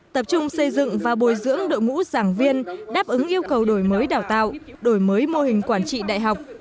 tập trung xây dựng và bồi dưỡng đội ngũ giảng viên đáp ứng yêu cầu đổi mới đào tạo đổi mới mô hình quản trị đại học